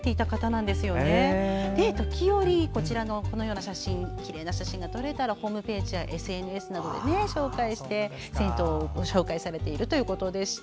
なので、時折こうしてきれいな写真が撮れたらホームページやＳＮＳなどで紹介して銭湯をご紹介されているということでした。